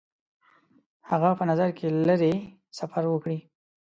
هغه په نظر کې لري سفر وکړي.